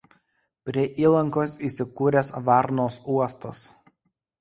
Prie įlankos įsikūręs Varnos uostas.